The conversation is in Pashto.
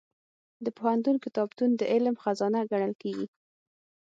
د پوهنتون کتابتون د علم خزانه ګڼل کېږي.